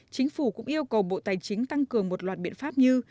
chính phủ cũng yêu cầu bộ tài chính tăng cường một loạt biện pháp như